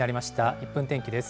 １分天気です。